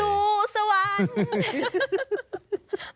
สู้สวัสดิ์